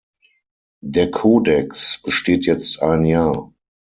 Der Kodex besteht jetzt ein Jahr.